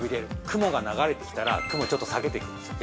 雲が流れてきたら雲ちょっと下げてくんですよ